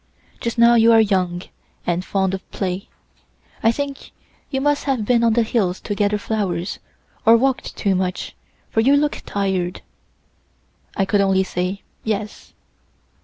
Just now you are young, and fond of play. I think you must have been on the hills to gather flowers, or walked too much, for you look tired." I could only say "Yes."